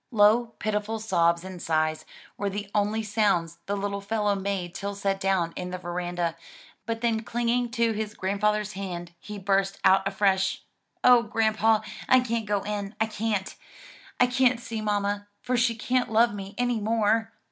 Low pitiful sobs and sighs were the only sounds the little fellow made till set down in the veranda; but then clinging to his grandfather's hand, he burst out afresh, "O grandpa, I can't go in! I can't, I can't see mamma, for she can't love me any more."